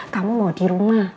kamu mau di rumah